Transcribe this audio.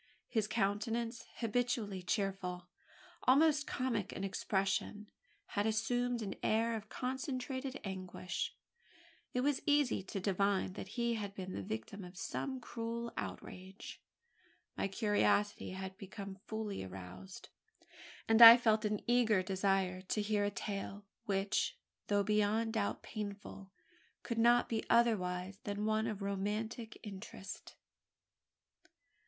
His countenance, habitually cheerful almost comic in its expression had assumed an air of concentrated anguish. It was easy to divine that he had been the victim of some cruel outrage. My curiosity had become fully aroused; and I felt an eager desire to hear a tale, which, though beyond doubt painful, could not be otherwise than one of romantic interest.